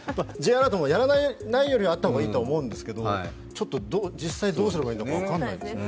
Ｊアラートも、やらないよりは、あった方がいいと思うんですけどちょっと実際どうすればいいのか分からないですね。